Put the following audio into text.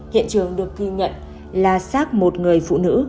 hiện trường được ghi nhận là xác một người phụ nữ